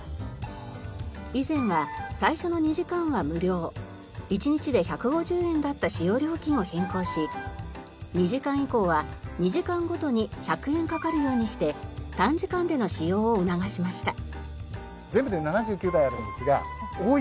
以前は最初の２時間は無料１日で１５０円だった使用料金を変更し２時間以降は２時間ごとに１００円かかるようにして短時間での使用を促しました。